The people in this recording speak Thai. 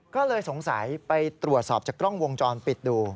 ก็เลยสงสัยไปตรวจสอบจากกล้องวงจรปิดดู